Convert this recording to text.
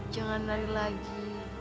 jangan lari lagi